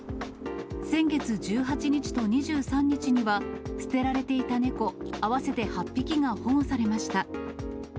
先月１８日と２３日には、捨てられていた猫合わせて８匹が保護されました。